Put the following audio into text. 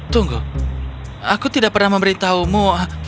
tunggu aku tidak pernah memberitahumu